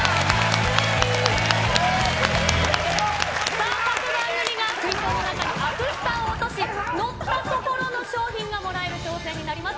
さあ、各番組が水槽の中にアクスタを落とし、乗った所の賞品がもらえる挑戦になります。